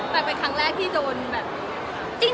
มันเป็นครั้งแรกที่โดนแบบ